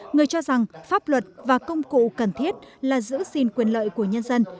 người cho rằng pháp luật và công cụ cần thiết là giữ xin quyền lợi của nhân dân